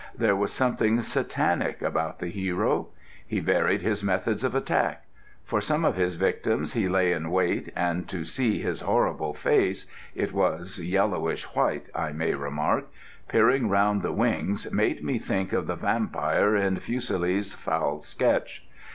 There was something Satanic about the hero. He varied his methods of attack: for some of his victims he lay in wait, and to see his horrible face it was yellowish white, I may remark peering round the wings made me think of the Vampyre in Fuseli's foul sketch.